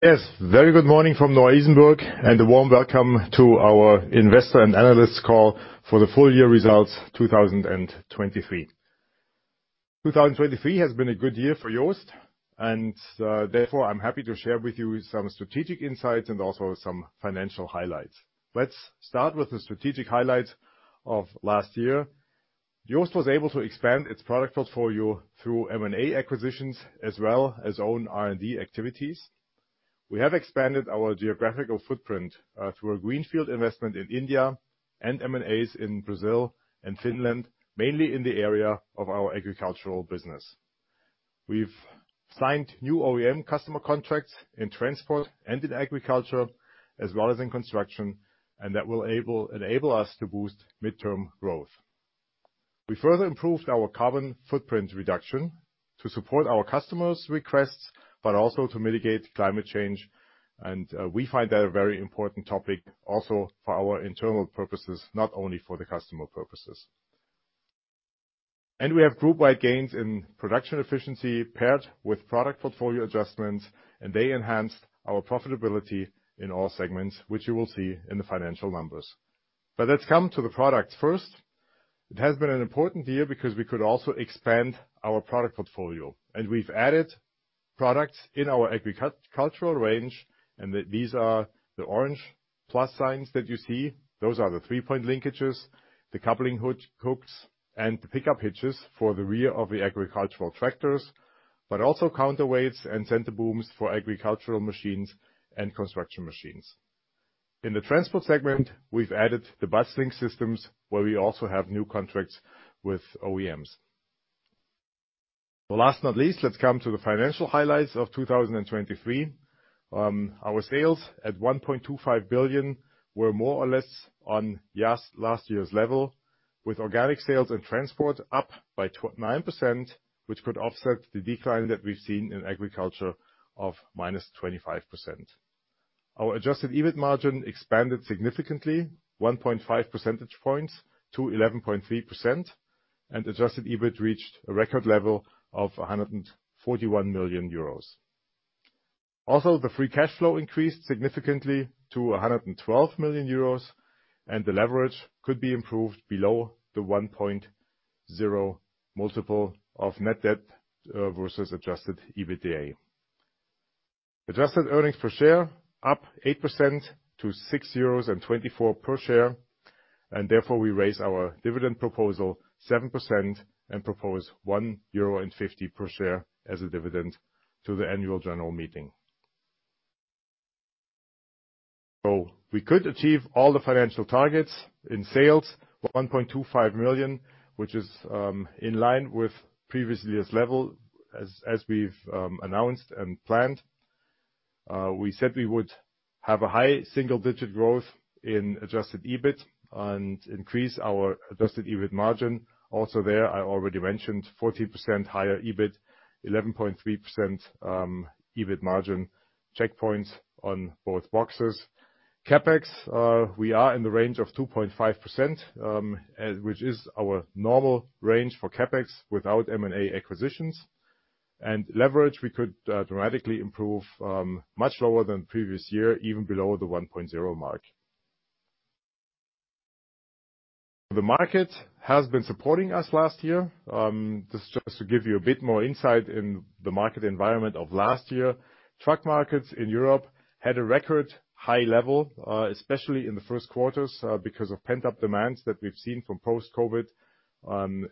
Yes, very good morning from Neu-Isenburg, and a warm welcome to our investor and analyst call for the full year results 2023. 2023 has been a good year for JOST, and, therefore I'm happy to share with you some strategic insights and also some financial highlights. Let's start with the strategic highlights of last year. JOST was able to expand its product portfolio through M&A acquisitions as well as own R&D activities. We have expanded our geographical footprint, through a greenfield investment in India and M&As in Brazil and Finland, mainly in the area of our agricultural business. We've signed new OEM customer contracts in transport and in agriculture, as well as in construction, and that will enable us to boost midterm growth. We further improved our carbon footprint reduction to support our customers' requests, but also to mitigate climate change, and we find that a very important topic also for our internal purposes, not only for the customer purposes. We have group-wide gains in production efficiency paired with product portfolio adjustments, and they enhanced our profitability in all segments, which you will see in the financial numbers. Let's come to the products first. It has been an important year because we could also expand our product portfolio, and we've added products in our agriculture range, and these are the orange plus signs that you see. Those are the three-point linkages, the coupling hooks, and the pickup hitches for the rear of the agricultural tractors, but also counterweights and center booms for agricultural machines and construction machines. In the transport segment, we've added the bus link systems where we also have new contracts with OEMs. Well, last but not least, let's come to the financial highlights of 2023. Our sales of 1.25 billion were more or less on par with last year's level, with organic sales and transport up by 9%, which could offset the decline that we've seen in agriculture of -25%. Our adjusted EBIT margin expanded significantly, 1.5 percentage points to 11.3%, and adjusted EBIT reached a record level of 141 million euros. Also, the free cash flow increased significantly to 112 million euros, and the leverage could be improved below the 1.0x multiple of net debt versus adjusted EBITDA. Adjusted earnings per share up 8% to 6.24 euros per share, and therefore we raise our dividend proposal 7% and propose 1.50 euro per share as a dividend to the annual general meeting. So we could achieve all the financial targets in sales, 1.25 million, which is in line with previous year's level as we've announced and planned. We said we would have a high single-digit growth in adjusted EBIT and increase our adjusted EBIT margin. Also there, I already mentioned 14% higher EBIT, 11.3% EBIT margin—checkpoints on both boxes. CapEx, we are in the range of 2.5%, which is our normal range for CapEx without M&A acquisitions. And leverage, we could dramatically improve, much lower than previous year, even below the 1.0 mark. The market has been supporting us last year. This is just to give you a bit more insight in the market environment of last year. Truck markets in Europe had a record high level, especially in the first quarters, because of pent-up demands that we've seen from post-COVID,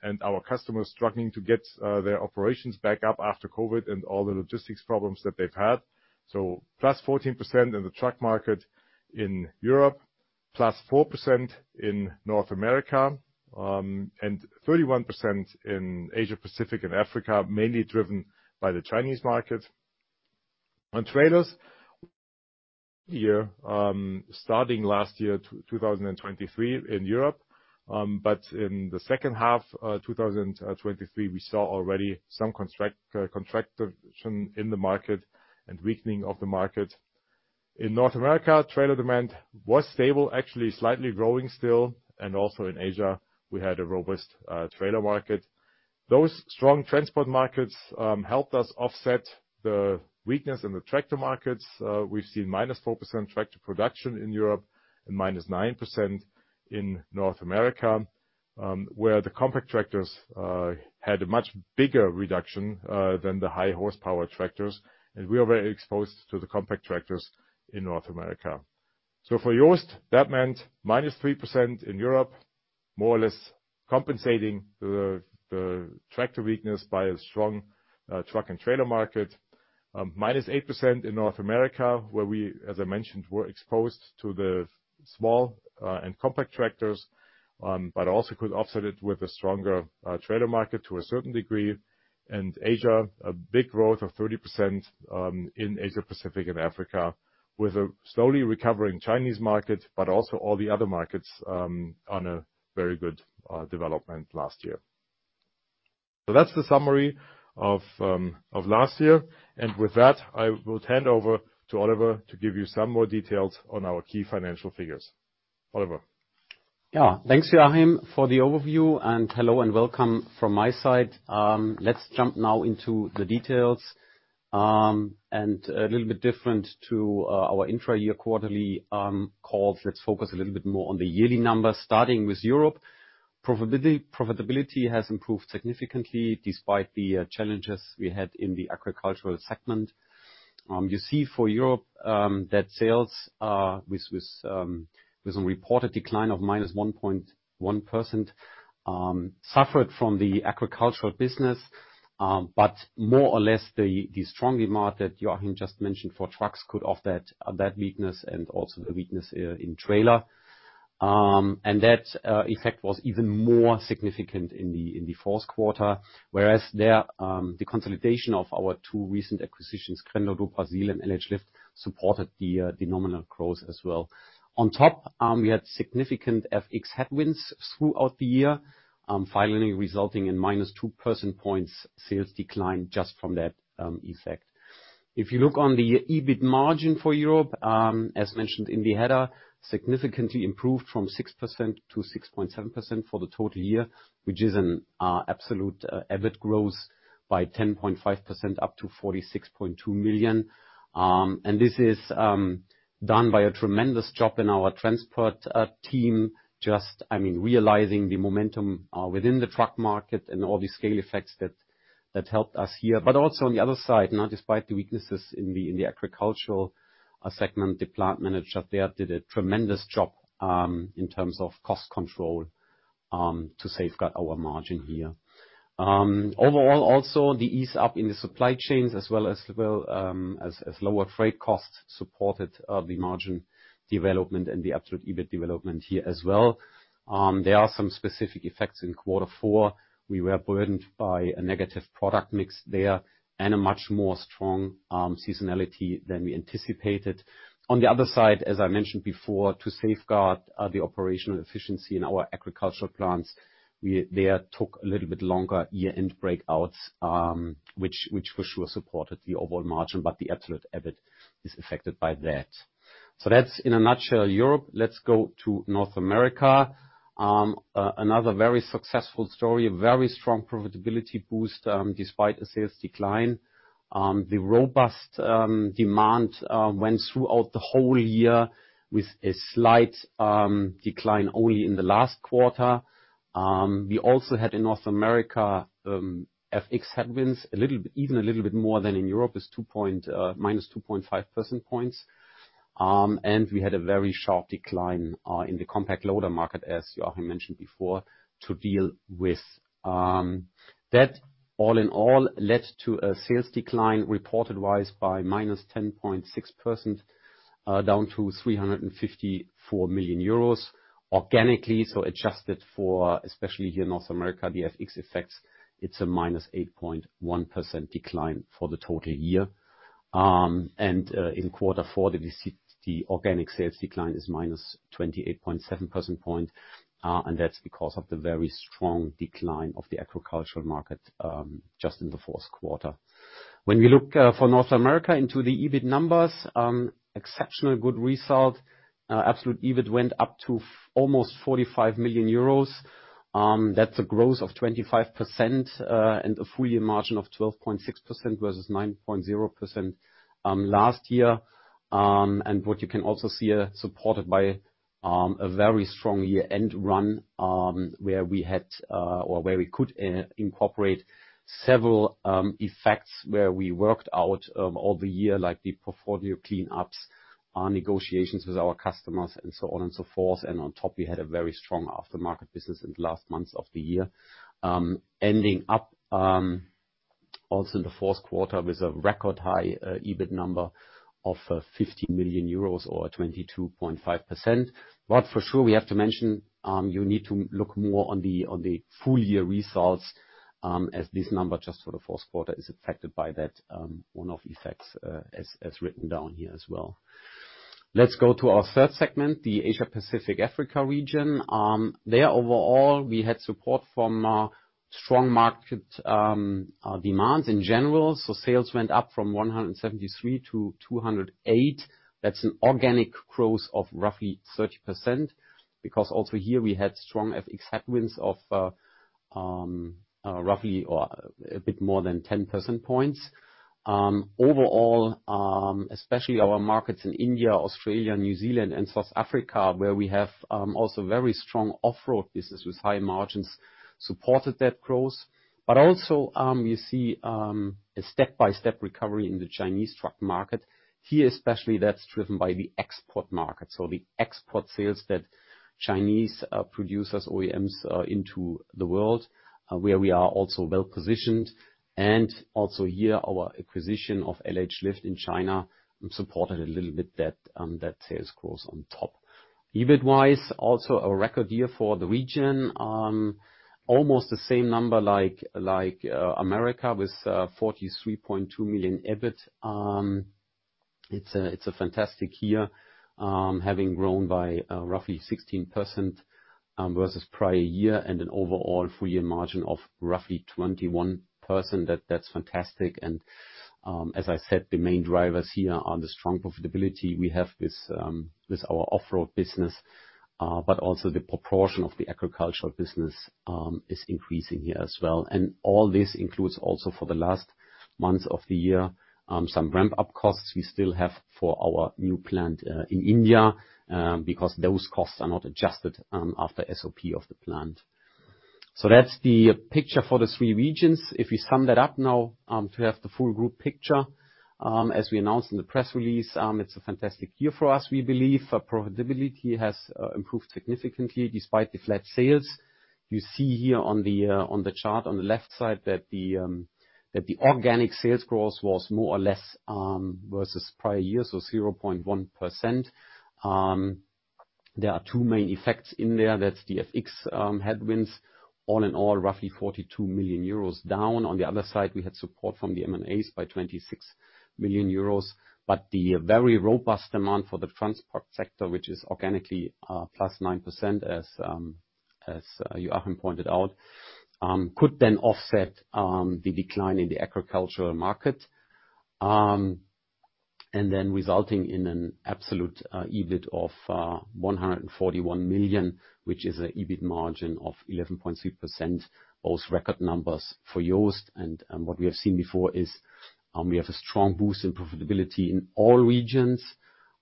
and our customers struggling to get their operations back up after COVID and all the logistics problems that they've had. So +14% in the truck market in Europe, +4% in North America, and 31% in Asia-Pacific and Africa, mainly driven by the Chinese market. On trailers, we've seen a year starting last year 2023 in Europe, but in the second half 2023, we saw already some contraction in the market and weakening of the market. In North America, trailer demand was stable, actually slightly growing still, and also in Asia, we had a robust trailer market. Those strong transport markets helped us offset the weakness in the tractor markets. We've seen -4% tractor production in Europe and -9% in North America, where the compact tractors had a much bigger reduction than the high-horsepower tractors, and we are very exposed to the compact tractors in North America. So for JOST, that meant -3% in Europe, more or less compensating the tractor weakness by a strong truck and trailer market. -8% in North America, where we, as I mentioned, were exposed to the small and compact tractors, but also could offset it with a stronger trailer market to a certain degree. Asia, a big growth of 30% in Asia-Pacific and Africa, with a slowly recovering Chinese market, but also all the other markets on a very good development last year. So that's the summary of last year. With that, I will hand over to Oliver to give you some more details on our key financial figures. Oliver. Yeah, thanks, Joachim, for the overview, and hello and welcome from my side. Let's jump now into the details, and, a little bit different to, our intra-year quarterly calls. Let's focus a little bit more on the yearly numbers, starting with Europe. Profitability profitability has improved significantly despite the challenges we had in the agricultural segment. You see, for Europe, that sales with some reported decline of -1.1% suffered from the agricultural business, but more or less the strong demand that Joachim just mentioned for trucks could offset that weakness and also the weakness in trailers. And that effect was even more significant in the fourth quarter, whereas there the consolidation of our two recent acquisitions, Crenlo do Brasil and LH Lift, supported the nominal growth as well. On top, we had significant FX headwinds throughout the year, finally resulting in -2% points sales decline just from that effect. If you look on the EBIT margin for Europe, as mentioned in the header, significantly improved from 6% to 6.7% for the total year, which is an absolute EBIT growth by 10.5% up to 46.2 million. And this is done by a tremendous job in our transport team, just, I mean, realizing the momentum within the truck market and all the scale effects that helped us here. But also on the other side, now, despite the weaknesses in the agricultural segment, the plant manager there did a tremendous job in terms of cost control to safeguard our margin here. Overall, also, the ease up in the supply chains as well as, well, as lower freight costs supported the margin development and the absolute EBIT development here as well. There are some specific effects in quarter four. We were burdened by a negative product mix there and a much more strong seasonality than we anticipated. On the other side, as I mentioned before, to safeguard the operational efficiency in our agricultural plants, we there took a little bit longer year-end breakouts, which for sure supported the overall margin, but the absolute EBIT is affected by that. So that's, in a nutshell, Europe. Let's go to North America. Another very successful story, a very strong profitability boost, despite a sales decline. The robust demand went throughout the whole year with a slight decline only in the last quarter. We also had in North America FX headwinds, a little bit even a little bit more than in Europe, minus 2.5 percentage points. We had a very sharp decline in the compact loader market, as Joachim mentioned before, to deal with. That, all in all, led to a sales decline, reported-wise, by minus 10.6%, down to 354 million euros organically. So adjusted for, especially here in North America, the FX effects, it's a minus 8.1% decline for the total year. In quarter four, the organic sales decline is minus 28.7 percentage points, and that's because of the very strong decline of the agricultural market, just in the fourth quarter. When we look for North America into the EBIT numbers, exceptionally good result, absolute EBIT went up to almost 45 million euros. That's a growth of 25%, and a full-year margin of 12.6% versus 9.0% last year. What you can also see here, supported by a very strong year-end run, where we had, or where we could, incorporate several effects where we worked out all the year, like the portfolio cleanups, negotiations with our customers, and so on and so forth. On top, we had a very strong aftermarket business in the last months of the year, ending up also in the fourth quarter with a record high EBIT number of 50 million euros or 22.5%. But for sure, we have to mention you need to look more on the full-year results, as this number just for the fourth quarter is affected by that one-off effects, as written down here as well. Let's go to our third segment, the Asia-Pacific Africa region. There, overall, we had support from strong market demands in general. So sales went up from 173 million to 208 million. That's an organic growth of roughly 30% because also here we had strong FX headwinds of roughly or a bit more than 10 percentage points. Overall, especially our markets in India, Australia, New Zealand, and South Africa, where we have also very strong off-road business with high margins, supported that growth. But also, you see, a step-by-step recovery in the Chinese truck market. Here, especially, that's driven by the export market, so the export sales that Chinese producers, OEMs, into the world, where we are also well-positioned. And also here, our acquisition of LH Lift in China, supported a little bit that, that sales growth on top. EBIT-wise, also a record year for the region, almost the same number like, like, America with 43.2 million EBIT. It's a it's a fantastic year, having grown by roughly 16% versus prior year and an overall full-year margin of roughly 21%. That's fantastic. And as I said, the main drivers here are the strong profitability we have with, with our off-road business, but also the proportion of the agricultural business is increasing here as well. And all this includes also, for the last months of the year, some ramp-up costs we still have for our new plant in India, because those costs are not adjusted after SOP of the plant. So that's the picture for the three regions. If we sum that up now, to have the full group picture, as we announced in the press release, it's a fantastic year for us, we believe. Profitability has improved significantly despite the flat sales. You see here on the chart on the left side that the organic sales growth was more or less versus prior year, so 0.1%. There are two main effects in there. That's the FX headwinds, all in all, roughly 42 million euros down. On the other side, we had support from the M&As by 26 million euros. But the very robust demand for the transport sector, which is organically +9%, as Joachim pointed out, could then offset the decline in the agricultural market, and then resulting in an absolute EBIT of 141 million, which is an EBIT margin of 11.3%, both record numbers for JOST. What we have seen before is, we have a strong boost in profitability in all regions,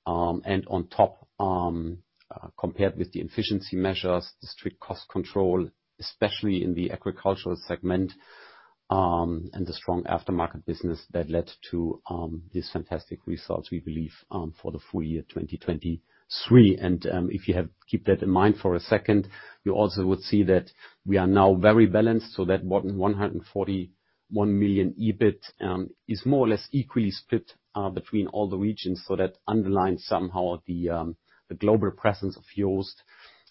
and on top, compared with the efficiency measures, the strict cost control, especially in the agricultural segment, and the strong aftermarket business that led to these fantastic results, we believe, for the full year 2023. If you keep that in mind for a second, you also would see that we are now very balanced, so that 141 million EBIT is more or less equally split between all the regions so that underlines somehow the global presence of JOST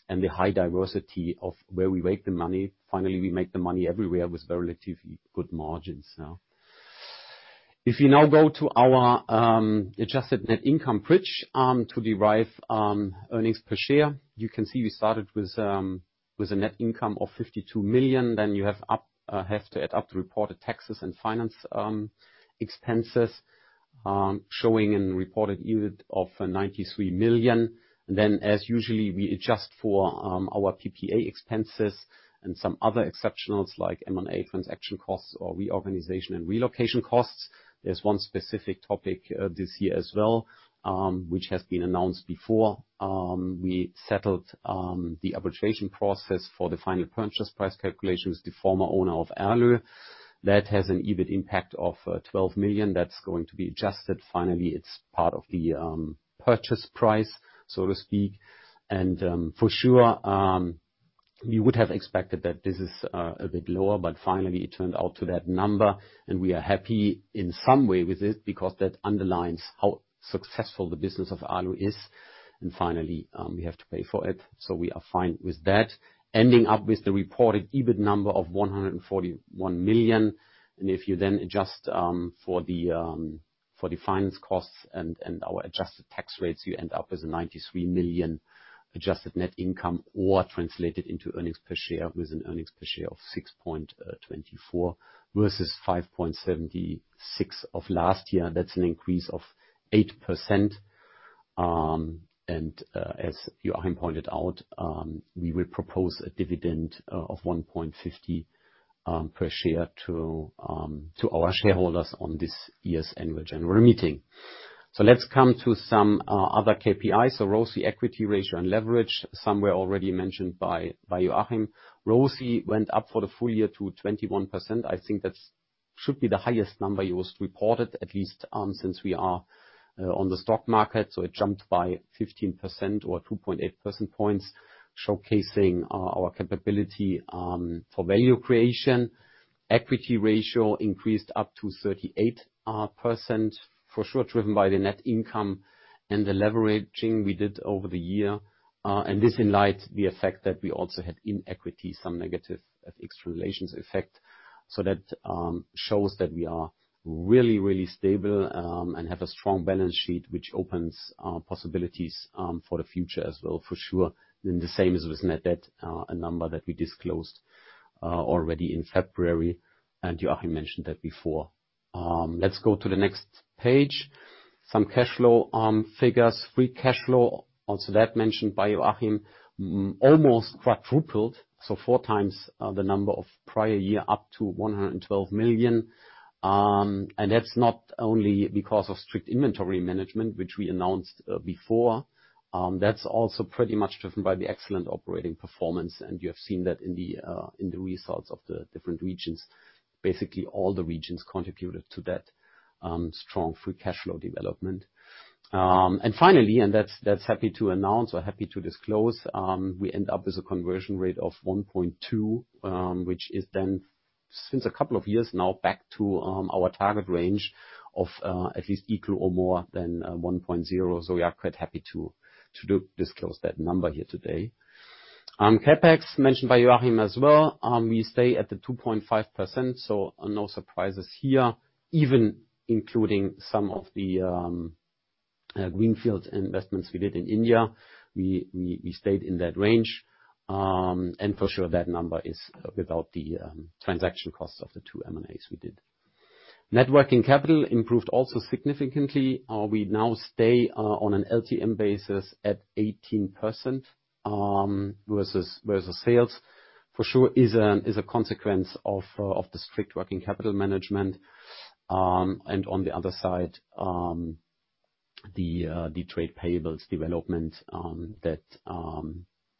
and the high diversity of where we make the money. Finally, we make the money everywhere with relatively good margins, yeah. If you now go to our adjusted net income bridge, to derive earnings per share, you can see we started with a net income of 52 million. Then you have to add up the reported taxes and finance expenses, showing a reported EBIT of 93 million. And then, as usual, we adjust for our PPA expenses and some other exceptionals like M&A transaction costs or reorganization and relocation costs. There's one specific topic, this year as well, which has been announced before. We settled the arbitration process for the final purchase price calculation with the former owner of Ålö. That has an EBIT impact of 12 million. That's going to be adjusted. Finally, it's part of the purchase price, so to speak. And for sure, we would have expected that this is a bit lower, but finally, it turned out to that number. And we are happy in some way with it because that underlines how successful the business of Ålö is. And finally, we have to pay for it. So we are fine with that, ending up with the reported EBIT number of 141 million. And if you then adjust for the finance costs and our adjusted tax rates, you end up with a 93 million adjusted net income or translated into earnings per share with an earnings per share of 6.24 versus 5.76 of last year. That's an increase of 8%. And, as Joachim pointed out, we will propose a dividend of 1.50 per share to our shareholders on this year's annual general meeting. So let's come to some other KPIs. So ROCE, equity ratio and leverage, somewhere already mentioned by Joachim. ROCE went up for the full year to 21%. I think that should be the highest number JOST reported, at least since we are on the stock market. So it jumped by 15% or 2.8 percentage points, showcasing our capability for value creation. Equity ratio increased up to 38%, for sure, driven by the net income and the leveraging we did over the year. And this in light of the effect that we also had in equity, some negative FX translations effect, so that shows that we are really, really stable, and have a strong balance sheet, which opens possibilities for the future as well, for sure. And the same is with net debt, a number that we disclosed already in February. And Joachim mentioned that before. Let's go to the next page. Some cash flow figures, free cash flow, also that mentioned by Joachim, almost quadrupled, so four times, the number of prior year up to 112 million. And that's not only because of strict inventory management, which we announced before. That's also pretty much driven by the excellent operating performance. You have seen that in the, in the results of the different regions. Basically, all the regions contributed to that strong free cash flow development. And finally, that's happy to announce or happy to disclose, we end up with a conversion rate of 1.2, which is then since a couple of years now back to our target range of at least equal or more than 1.0. So we are quite happy to disclose that number here today. CapEx mentioned by Joachim as well. We stay at the 2.5%, so no surprises here, even including some of the greenfield investments we did in India. We stayed in that range. And for sure, that number is without the transaction costs of the two M&As we did. Net working capital improved also significantly. We now stay on an LTM basis at 18% versus sales, for sure, is a consequence of the strict working capital management. And on the other side, the trade payables development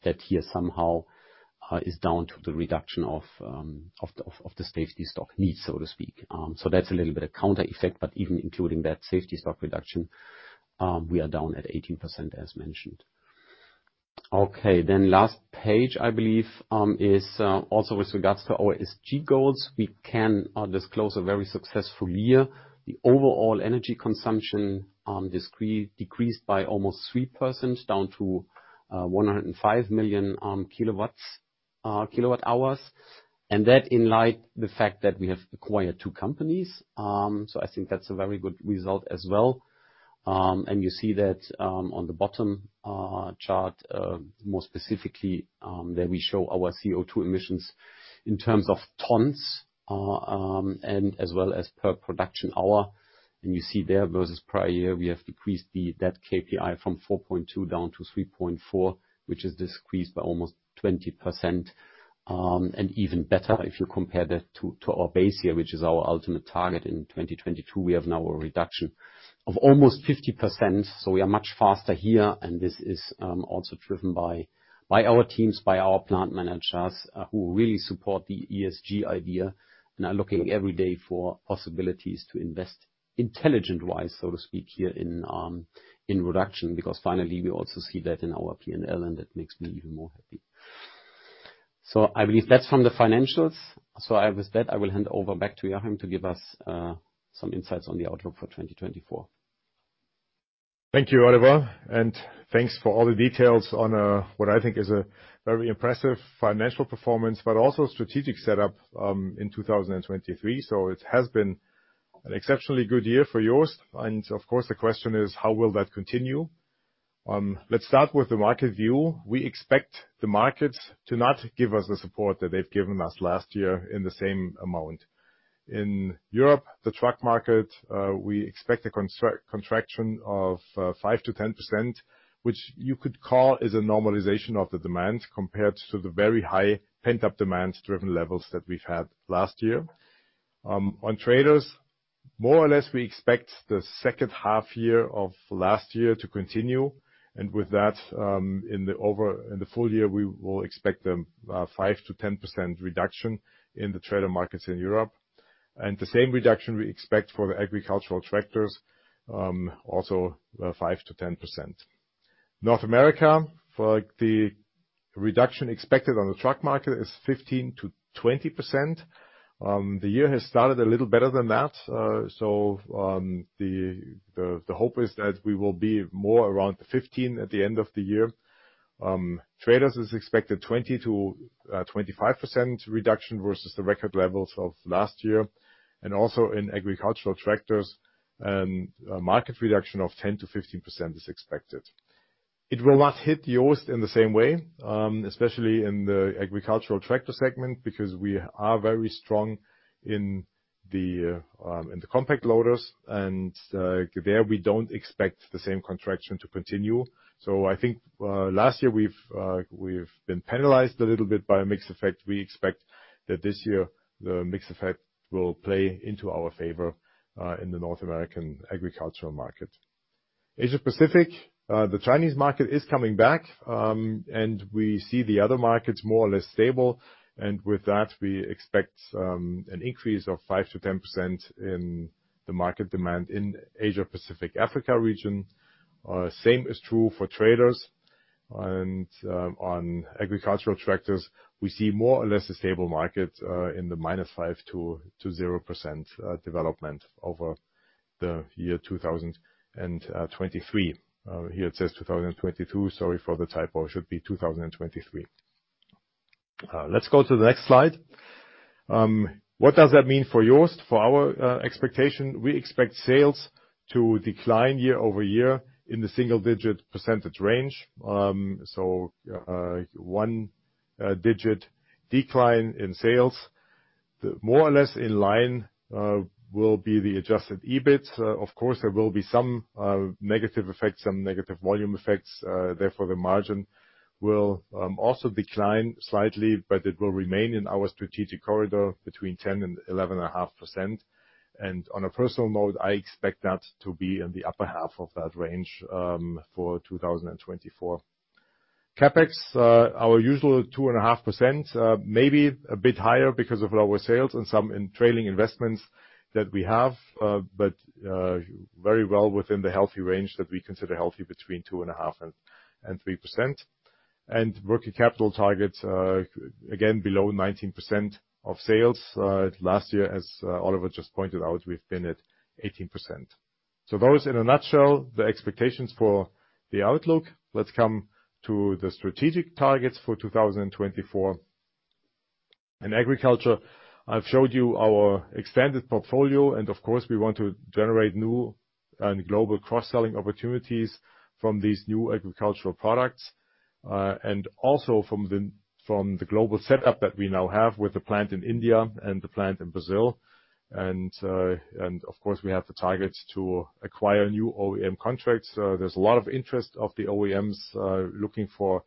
that here somehow is down to the reduction of the safety stock needs, so to speak. So that's a little bit of counter effect. But even including that safety stock reduction, we are down at 18%, as mentioned. Okay. Then last page, I believe, is also with regards to our SG goals. We can disclose a very successful year. The overall energy consumption decreased by almost 3% down to 105 million kWh. And that in light of the fact that we have acquired two companies. So I think that's a very good result as well. And you see that, on the bottom chart, more specifically, there we show our CO2 emissions in terms of tons, and as well as per production hour. And you see there versus prior year, we have decreased the net KPI from 4.2 down to 3.4, which is decreased by almost 20%, and even better if you compare that to our base year, which is our ultimate target in 2022. We have now a reduction of almost 50%. So we are much faster here. And this is also driven by our teams, by our plant managers, who really support the ESG idea and are looking every day for possibilities to invest intelligent-wise, so to speak, here in reduction because finally, we also see that in our P&L, and that makes me even more happy. So I believe that's from the financials. So with that, I will hand over back to Joachim to give us some insights on the outlook for 2024. Thank you, Oliver. And thanks for all the details on what I think is a very impressive financial performance but also strategic setup in 2023. So it has been an exceptionally good year for JOST. And of course, the question is, how will that continue? Let's start with the market view. We expect the markets to not give us the support that they've given us last year in the same amount. In Europe, the truck market, we expect a contraction of 5%-10%, which you could call is a normalization of the demand compared to the very high pent-up demand-driven levels that we've had last year. On trailers, more or less, we expect the second half year of last year to continue. With that, in the overall in the full year, we will expect a 5%-10% reduction in the trailer markets in Europe. The same reduction we expect for the agricultural tractors, also, 5%-10%. North America, for the reduction expected on the truck market, is 15%-20%. The year has started a little better than that. So the hope is that we will be more around the 15% at the end of the year. Trailers is expected 20%-25% reduction versus the record levels of last year. And also in agricultural tractors, a market reduction of 10%-15% is expected. It will not hit JOST in the same way, especially in the agricultural tractor segment because we are very strong in the compact loaders. There we don't expect the same contraction to continue. So I think, last year, we've been penalized a little bit by a mixed effect. We expect that this year, the mixed effect will play into our favor, in the North American agricultural market. Asia Pacific, the Chinese market is coming back, and we see the other markets more or less stable. And with that, we expect an increase of 5%-10% in the market demand in Asia Pacific Africa region. Same is true for tractors. And, on agricultural tractors, we see more or less a stable market, in the -5% to 0% development over the year 2023. Here it says 2022. Sorry for the typo. It should be 2023. Let's go to the next slide. What does that mean for JOST? For our expectation, we expect sales to decline year-over-year in the single-digit percentage range. So, one-digit decline in sales, the more or less in line, will be the adjusted EBIT. Of course, there will be some negative effects, some negative volume effects. Therefore, the margin will also decline slightly, but it will remain in our strategic corridor between 10%-11.5%. And on a personal note, I expect that to be in the upper half of that range, for 2024. CapEx, our usual 2.5%, maybe a bit higher because of lower sales and some trailing investments that we have, but very well within the healthy range that we consider healthy between 2.5%-3%. And working capital targets, again, below 19% of sales. Last year, as Oliver just pointed out, we've been at 18%. So those in a nutshell, the expectations for the outlook. Let's come to the strategic targets for 2024. In agriculture, I've showed you our extended portfolio. And of course, we want to generate new and global cross-selling opportunities from these new agricultural products, and also from the global setup that we now have with the plant in India and the plant in Brazil. And, of course, we have the targets to acquire new OEM contracts. There's a lot of interest of the OEMs looking for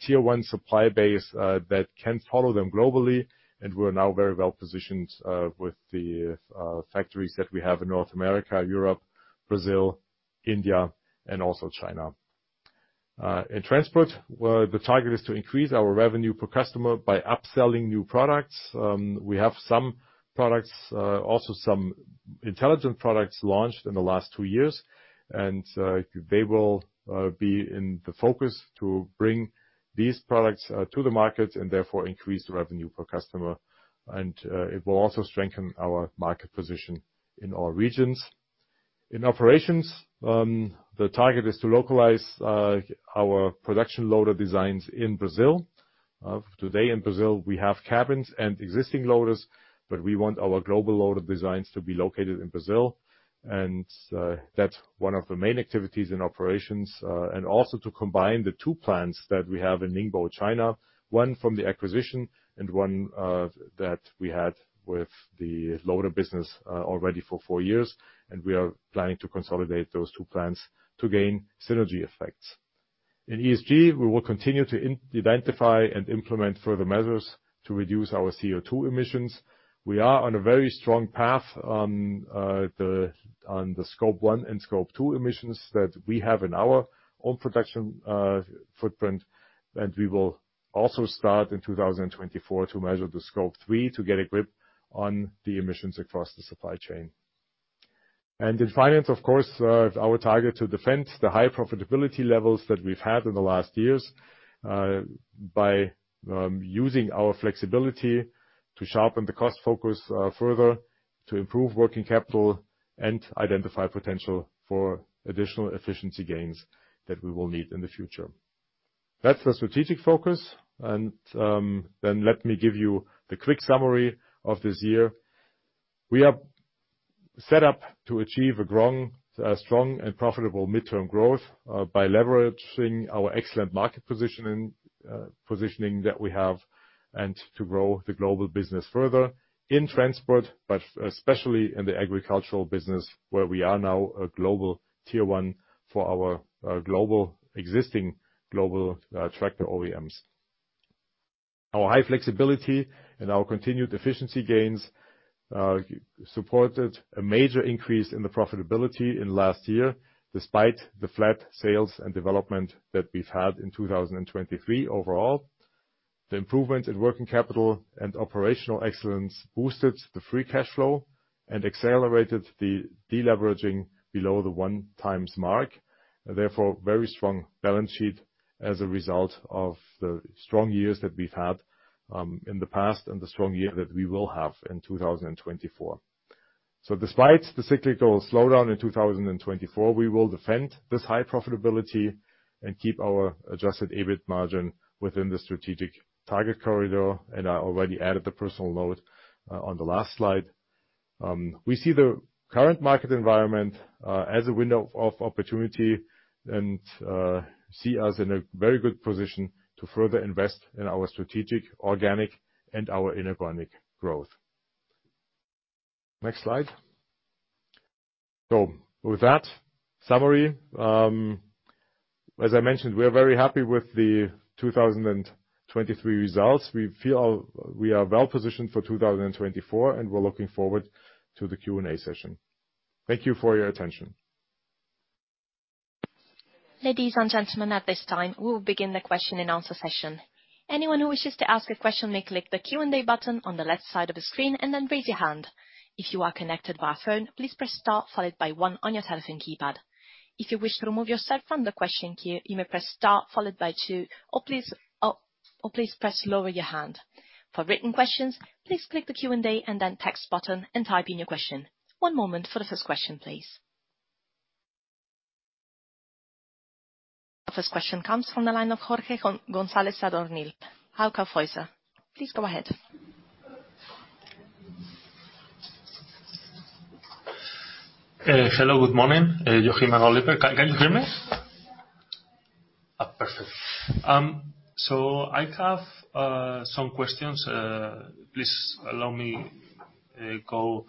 Tier-one supply base that can follow them globally. And we're now very well positioned with the factories that we have in North America, Europe, Brazil, India, and also China. In transport, the target is to increase our revenue per customer by upselling new products. We have some products, also some intelligent products launched in the last two years. And they will be in the focus to bring these products to the market and therefore increase the revenue per customer. It will also strengthen our market position in all regions. In operations, the target is to localize our production loader designs in Brazil. Today in Brazil, we have cabins and existing loaders, but we want our global loader designs to be located in Brazil. That's one of the main activities in operations, and also to combine the two plants that we have in Ningbo, China, one from the acquisition and one that we had with the loader business, already for four years. We are planning to consolidate those two plants to gain synergy effects. In ESG, we will continue to identify and implement further measures to reduce our CO2 emissions. We are on a very strong path on the Scope 1 and Scope 2 emissions that we have in our own production footprint. And we will also start in 2024 to measure the Scope 3 to get a grip on the emissions across the supply chain. And in finance, of course, our target is to defend the high profitability levels that we've had in the last years, by using our flexibility to sharpen the cost focus further, to improve working capital, and identify potential for additional efficiency gains that we will need in the future. That's the strategic focus. And then let me give you the quick summary of this year. We are set up to achieve a strong and profitable midterm growth, by leveraging our excellent market positioning that we have and to grow the global business further in transport, but especially in the agricultural business where we are now a global tier-one for our global existing tractor OEMs. Our high flexibility and our continued efficiency gains supported a major increase in the profitability in last year despite the flat sales and development that we've had in 2023 overall. The improvements in working capital and operational excellence boosted the free cash flow and accelerated the deleveraging below the 1x mark, and therefore a very strong balance sheet as a result of the strong years that we've had, in the past and the strong year that we will have in 2024. So despite the cyclical slowdown in 2024, we will defend this high profitability and keep our adjusted EBIT margin within the strategic target corridor. And I already added the personal note on the last slide. We see the current market environment as a window of opportunity and see us in a very good position to further invest in our strategic organic and our inorganic growth. Next slide. So with that summary, as I mentioned, we are very happy with the 2023 results. We feel we are well positioned for 2024, and we're looking forward to the Q&A session. Thank you for your attention. Ladies and gentlemen, at this time, we will begin the question-and-answer session. Anyone who wishes to ask a question may click the Q&A button on the left side of the screen and then raise your hand. If you are connected via phone, please press star, followed by 1 on your telephone keypad. If you wish to remove yourself from the question queue, you may press star, followed by 2, or please press lower your hand. For written questions, please click the Q&A and then Text button and type in your question. One moment for the first question, please. First question comes from the line of Jorge González Sadornil, Hauck & Aufhäuser. Please go ahead. Hello. Good morning. Joachim Dürr, Oliver. Can you hear me? Perfect. I have some questions. Please allow me to go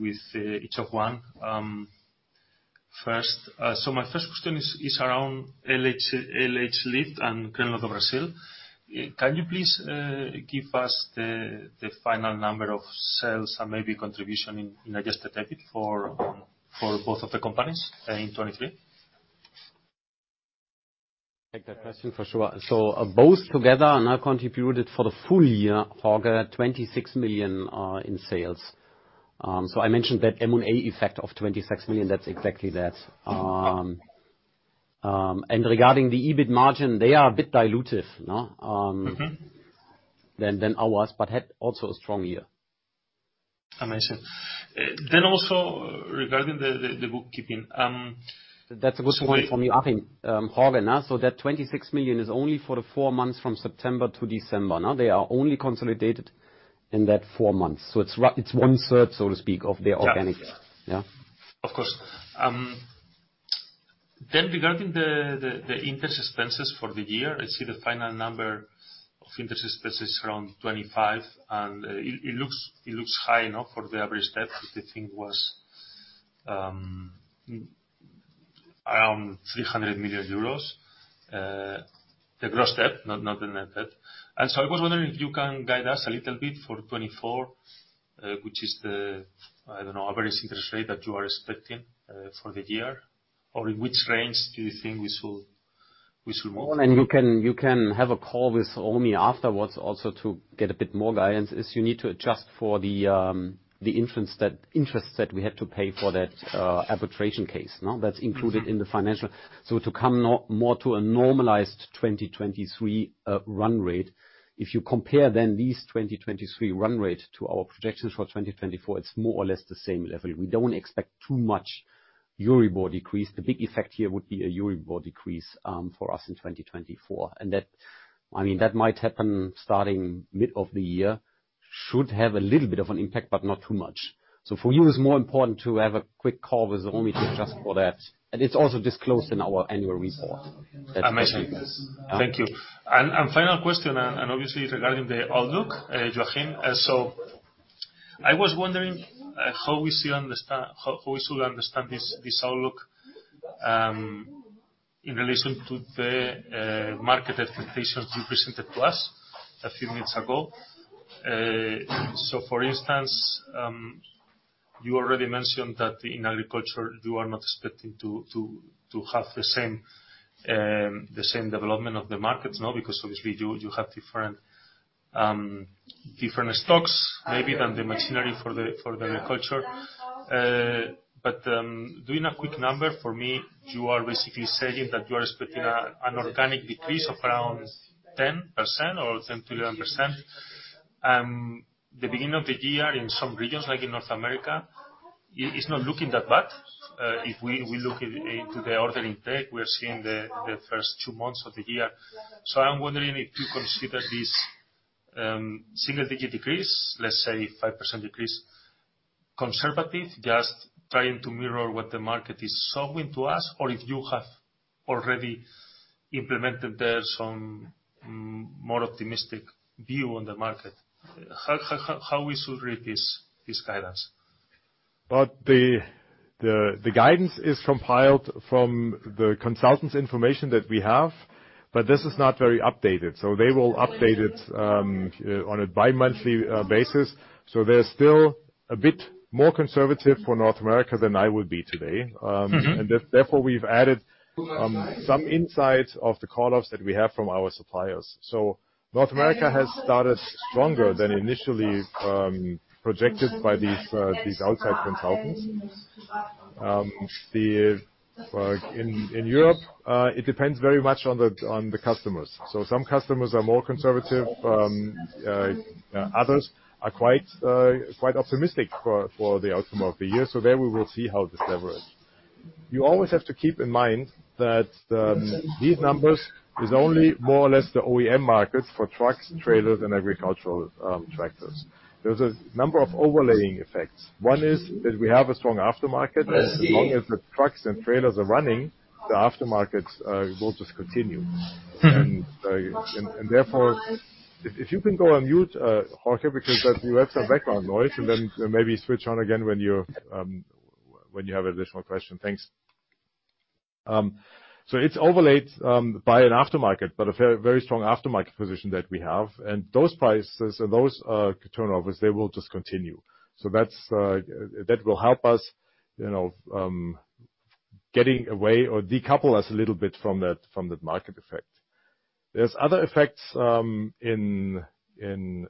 with each of one. First, my first question is around LH Lift and Crenlo do Brasil. Can you please give us the final number of sales and maybe contribution in Adjusted EBIT for both of the companies in 2023? Take that question, for sure. Both together now contributed for the full year, Jorge, 26 million in sales. I mentioned that M&A effect of 26 million. That's exactly that. Regarding the EBIT margin, they are a bit diluted than ours, but had also a strong year. Amazing. Also regarding the bookkeeping. That's a good point from you. Jorge, that 26 million is only for the four months from September to December. They are only consolidated in that four months. So it's one-third, so to speak, of their organic. Yeah. Of course. Then regarding the interest expenses for the year, I see the final number of interest expenses is around 25 million. And it looks high enough for the average debt, which I think was around 300 million euros, the gross debt, not the net debt. And so I was wondering if you can guide us a little bit for 2024, which is the, I don't know, average interest rate that you are expecting for the year, or in which range do you think we should move? And you can have a call with me afterwards also to get a bit more guidance. You need to adjust for the interest that we had to pay for that arbitration case. That's included in the financial. So to come more to a normalized 2023 run rate, if you compare then this 2023 run rate to our projections for 2024, it's more or less the same level. We don't expect too much Euribor decrease. The big effect here would be a Euribor decrease for us in 2024. And that, I mean, that might happen starting mid of the year, should have a little bit of an impact, but not too much. So for you, it's more important to have a quick call with me to adjust for that. And it's also disclosed in our annual report. Amazing. Thank you. And final question, and obviously regarding the outlook, Joachim. So I was wondering how we should understand this outlook in relation to the market expectations you presented to us a few minutes ago. So, for instance, you already mentioned that in agriculture, you are not expecting to have the same development of the markets because, obviously, you have different stocks maybe than the machinery for the agriculture. But doing a quick number, for me, you are basically saying that you are expecting an organic decrease of around 10% or 10%-11%. The beginning of the year, in some regions, like in North America, is not looking that bad. If we look into the order intake, we are seeing the first two months of the year. So I'm wondering if you consider this single-digit decrease, let's say 5% decrease, conservative, just trying to mirror what the market is showing to us, or if you have already implemented there some more optimistic view on the market. How we should read this guidance? Well, the guidance is compiled from the consultants' information that we have, but this is not very updated. So they will update it on a bi-monthly basis. So they're still a bit more conservative for North America than I would be today. And therefore, we've added some insights of the call-offs that we have from our suppliers. So North America has started stronger than initially projected by these outside consultants. In Europe, it depends very much on the customers. So some customers are more conservative. Others are quite optimistic for the outcome of the year. So there, we will see how this leverage. You always have to keep in mind that these numbers are only more or less the OEM markets for trucks, trailers, and agricultural tractors. There's a number of overlaying effects. One is that we have a strong aftermarket. As long as the trucks and trailers are running, the aftermarket will just continue. Therefore, if you can go on mute, Jorge, because you have some background noise, and then maybe switch on again when you have an additional question. Thanks. It's overlaid by an aftermarket, but a very strong aftermarket position that we have. Those prices and those turnovers, they will just continue. That will help us getting away or decouple us a little bit from that market effect. There's other effects in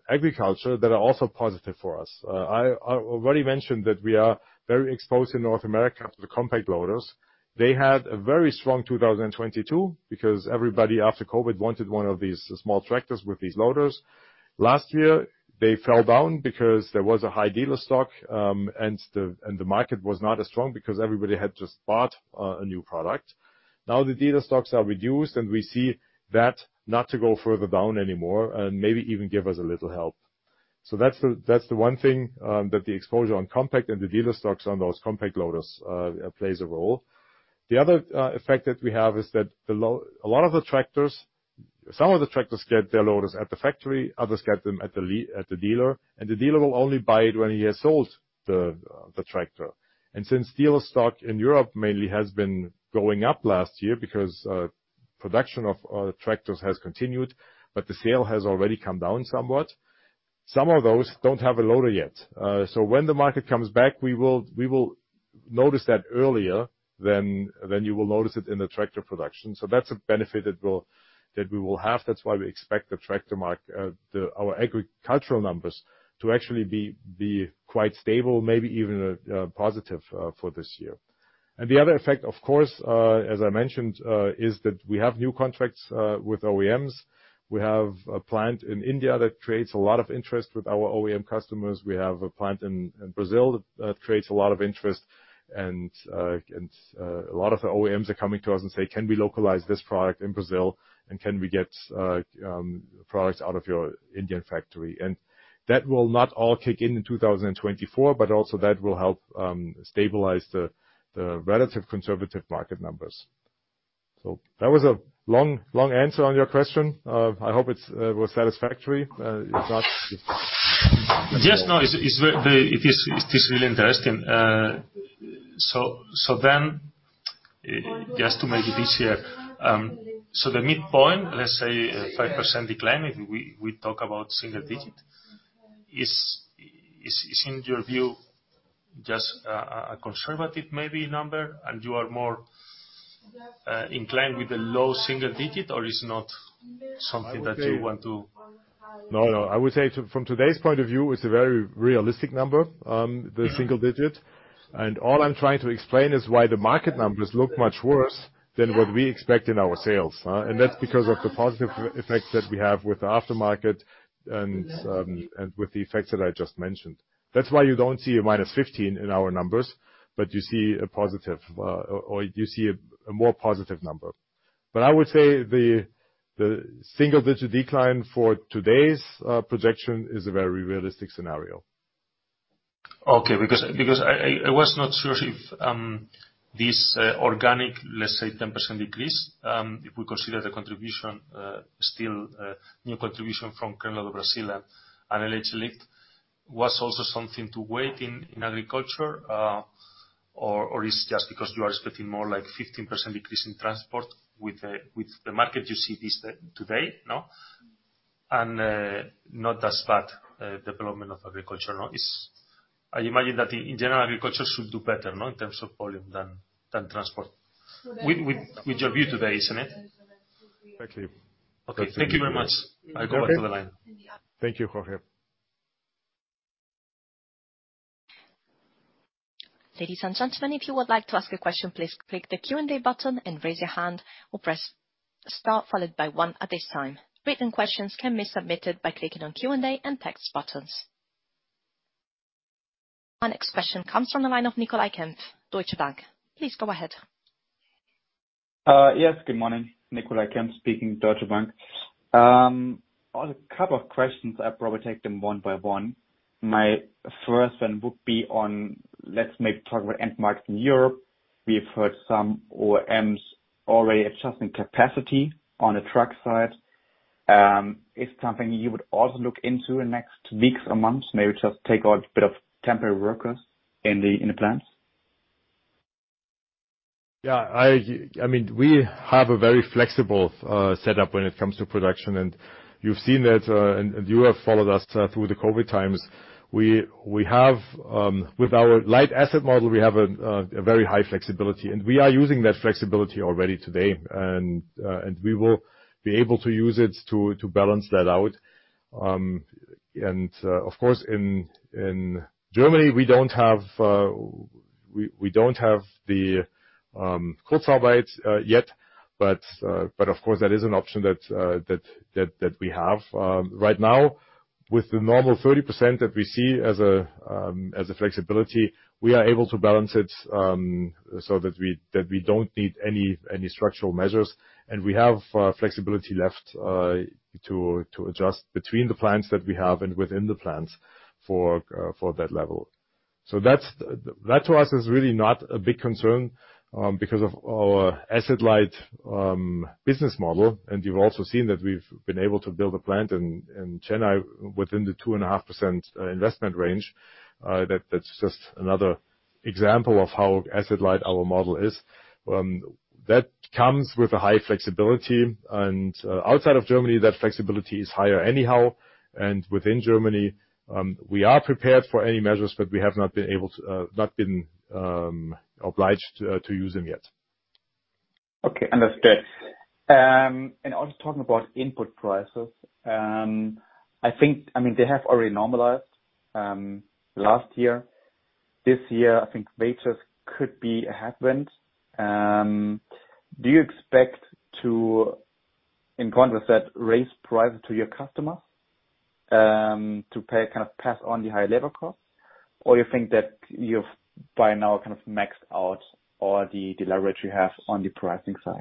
agriculture that are also positive for us. I already mentioned that we are very exposed in North America to the compact loaders. They had a very strong 2022 because everybody after COVID wanted one of these small tractors with these loaders. Last year, they fell down because there was a high dealer stock, and the market was not as strong because everybody had just bought a new product. Now, the dealer stocks are reduced, and we see that not to go further down anymore and maybe even give us a little help. So that's the one thing, that the exposure on compact and the dealer stocks on those compact loaders plays a role. The other effect that we have is that a lot of the tractors get their loaders at the factory. Others get them at the dealer. And the dealer will only buy it when he has sold the tractor. And since dealer stock in Europe mainly has been going up last year because production of tractors has continued, but the sale has already come down somewhat, some of those don't have a loader yet. So when the market comes back, we will notice that earlier than you will notice it in the tractor production. So that's a benefit that we will have. That's why we expect the tractor market, our agricultural numbers, to actually be quite stable, maybe even positive for this year. And the other effect, of course, as I mentioned, is that we have new contracts with OEMs. We have a plant in India that creates a lot of interest with our OEM customers. We have a plant in Brazil that creates a lot of interest. And a lot of the OEMs are coming to us and say, "Can we localize this product in Brazil? And can we get products out of your Indian factory?" And that will not all kick in in 2024, but also that will help stabilize the relatively conservative market numbers. So that was a long answer on your question. I hope it was satisfactory. Yes. No. It is really interesting. So then, just to make it easier, so the midpoint, let's say 5% decline, if we talk about single-digit, is, in your view, just a conservative maybe number? And you are more inclined with a low single-digit, or is it not something that you want to? No, no. I would say, from today's point of view, it's a very realistic number, the single-digit. And all I'm trying to explain is why the market numbers look much worse than what we expect in our sales. And that's because of the positive effects that we have with the aftermarket and with the effects that I just mentioned. That's why you don't see a -15% in our numbers, but you see a positive or you see a more positive number. But I would say the single-digit decline for today's projection is a very realistic scenario. Okay. Because I was not sure if this organic, let's say, 10% decrease, if we consider the new contribution from Crenlo do Brasil and LH Lift, was also something to weight in agriculture, or is it just because you are expecting more like 15% decrease in transport? With the market, you see this today, and not as bad development of agriculture. I imagine that, in general, agriculture should do better in terms of volume than transport, with your view today, isn't it? Thank you. Okay. Thank you very much. I'll go back to the line. Thank you, Jorge. Ladies and gentlemen, if you would like to ask a question, please click the Q&A button and raise your hand or press star, followed by 1 at this time. Written questions can be submitted by clicking on Q&A and Text buttons. Our next question comes from the line of Nicolai Kempf, Deutsche Bank. Please go ahead. Yes. Good morning. Nicolai Kempf speaking, Deutsche Bank. A couple of questions. I'll probably take them one by one. My first one would be on, let's maybe talk about end markets in Europe. We've heard some OEMs already adjusting capacity on the truck side. Is it something you would also look into in the next weeks or months, maybe just take out a bit of temporary workers in the plants? Yeah. I mean, we have a very flexible setup when it comes to production. And you've seen that, and you have followed us through the COVID times. With our light asset model, we have a very high flexibility. And we are using that flexibility already today. We will be able to use it to balance that out. Of course, in Germany, we don't have the Kurzarbeit yet. But of course, that is an option that we have. Right now, with the normal 30% that we see as a flexibility, we are able to balance it so that we don't need any structural measures. We have flexibility left to adjust between the plants that we have and within the plants for that level. So that, to us, is really not a big concern because of our asset-light business model. You've also seen that we've been able to build a plant in Chennai within the 2.5% investment range. That's just another example of how asset-light our model is. That comes with a high flexibility. Outside of Germany, that flexibility is higher anyhow. Within Germany, we are prepared for any measures, but we have not been obliged to use them yet. Okay. Understood. Also talking about input prices, I mean, they have already normalized last year. This year, I think wages could be a headwind. Do you expect to, in contrast to that, raise prices to your customers to kind of pass on the higher labor costs? Or do you think that you've by now kind of maxed out all the leverage you have on the pricing side?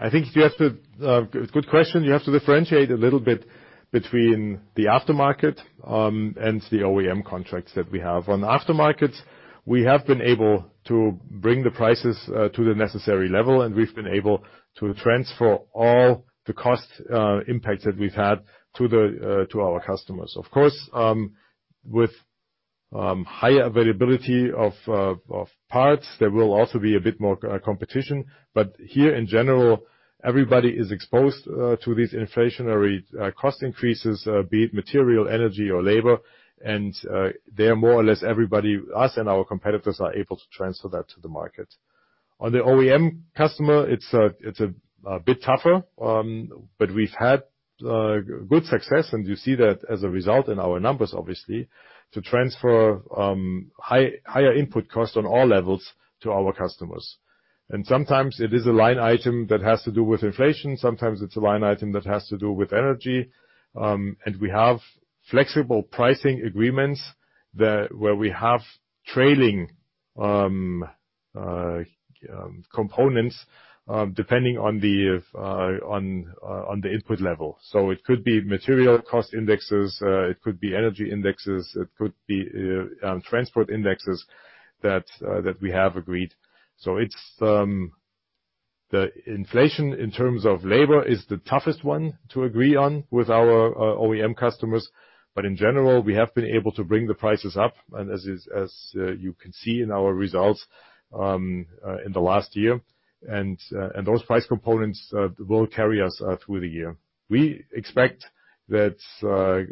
I think that's a good question. You have to differentiate a little bit between the aftermarket and the OEM contracts that we have. On aftermarkets, we have been able to bring the prices to the necessary level. And we've been able to transfer all the cost impacts that we've had to our customers. Of course, with higher availability of parts, there will also be a bit more competition. But here, in general, everybody is exposed to these inflationary cost increases, be it material, energy, or labor. And there, more or less, us and our competitors are able to transfer that to the market. On the OEM customer, it's a bit tougher. But we've had good success. And you see that as a result in our numbers, obviously, to transfer higher input costs on all levels to our customers. And sometimes, it is a line item that has to do with inflation. Sometimes, it's a line item that has to do with energy. And we have flexible pricing agreements where we have trailing components depending on the input level. So it could be material cost indexes. It could be energy indexes. It could be transport indexes that we have agreed. So the inflation, in terms of labor, is the toughest one to agree on with our OEM customers. But in general, we have been able to bring the prices up, as you can see in our results in the last year. And those price components will carry us through the year. We expect that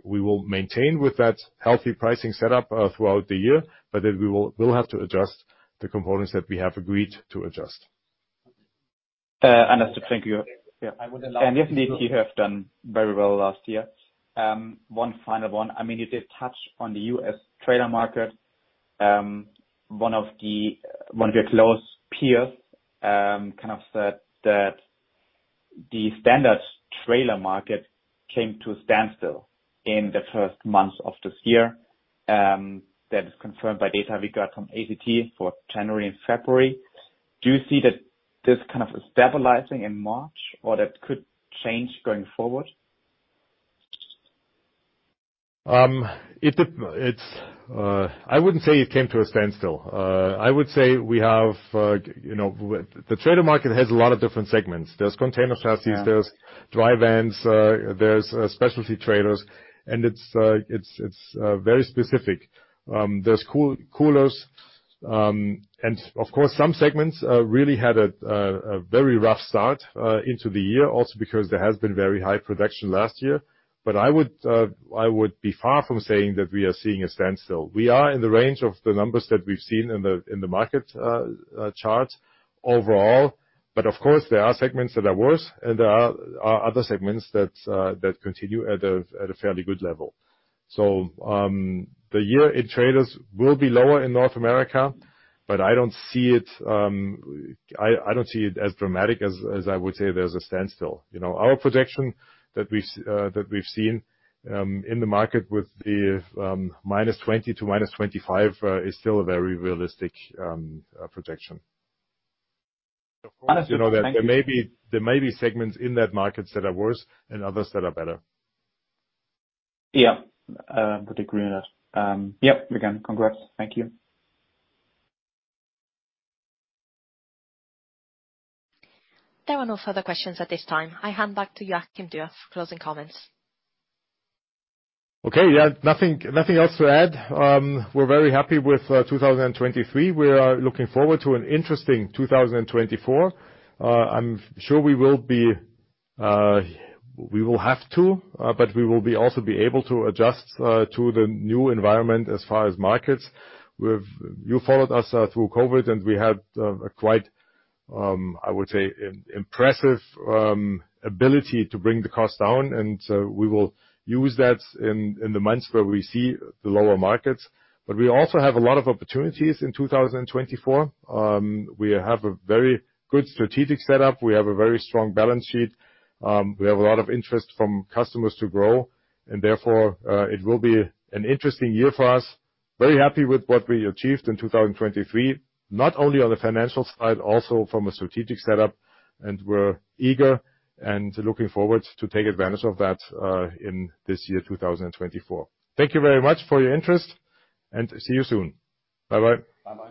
we will maintain with that healthy pricing setup throughout the year, but that we will have to adjust the components that we have agreed to adjust. Understood. Thank you. And definitely, they've done very well last year. One final one. I mean, you did touch on the U.S. trailer market. One of your close peers kind of said that the standard trailer market came to a standstill in the first months of this year. That is confirmed by data we got from ACT for January and February. Do you see that this kind of is stabilizing in March or that could change going forward? I wouldn't say it came to a standstill. I would say we have the trailer market has a lot of different segments. There's container chassis. There's dry vans. There's specialty trailers. And it's very specific. There's coolers. And of course, some segments really had a very rough start into the year, also because there has been very high production last year. But I would be far from saying that we are seeing a standstill. We are in the range of the numbers that we've seen in the market charts overall. But of course, there are segments that are worse. And there are other segments that continue at a fairly good level. So the year in trailers will be lower in North America. But I don't see it. I don't see it as dramatic as I would say there's a standstill. Our projection that we've seen in the market with the -20% to -25% is still a very realistic projection. There may be segments in that market that are worse and others that are better. Yeah. Good to agree on that. Yep. Again, congrats. Thank you. There are no further questions at this time. I hand back to Joachim Dürr for closing comments. Okay. Yeah. Nothing else to add. We're very happy with 2023. We are looking forward to an interesting 2024. I'm sure we will have to, but we will also be able to adjust to the new environment as far as markets. You followed us through COVID, and we had a quite, I would say, impressive ability to bring the cost down. We will use that in the months where we see the lower markets. But we also have a lot of opportunities in 2024. We have a very good strategic setup. We have a very strong balance sheet. We have a lot of interest from customers to grow. And therefore, it will be an interesting year for us. Very happy with what we achieved in 2023, not only on the financial side, also from a strategic setup. And we're eager and looking forward to taking advantage of that in this year, 2024. Thank you very much for your interest. And see you soon. Bye-bye. Bye-bye.